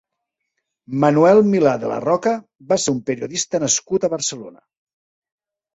Manuel Milá de la Roca va ser un periodista nascut a Barcelona.